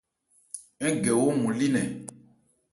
Ń gɛ wo ɔ́nmɔn li nnɛn.